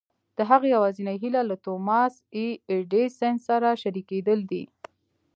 د هغه يوازېنۍ هيله له توماس اې ايډېسن سره شريکېدل دي.